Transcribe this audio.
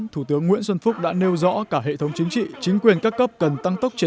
thủ tướng nguyễn xuân phúc đã nêu rõ cả hệ thống chính trị chính quyền các cấp cần tăng tốc